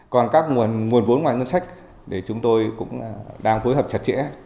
còn các nguồn vốn ngoài ngân sách thì chúng tôi cũng đang phối hợp chặt chẽ